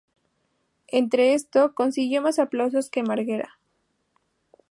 Entre esto, consiguió más aplausos que Margera.